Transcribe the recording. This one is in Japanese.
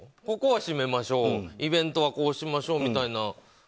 ここは閉めましょうイベントはこうしましょうみたいな。